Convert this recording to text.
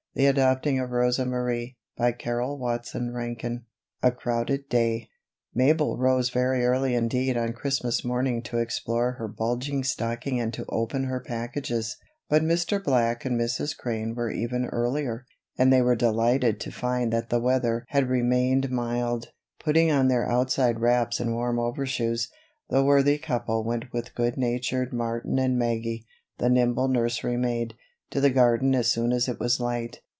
They can't think of anything else." CHAPTER XXVII A Crowded Day MABEL rose very early indeed on Christmas morning to explore her bulging stocking and to open her packages; but Mr. Black and Mrs. Crane were even earlier, and they were delighted to find that the weather had remained mild. Putting on their outside wraps and warm overshoes, the worthy couple went with good natured Martin and Maggie, the nimble nursery maid, to the garden as soon as it was light.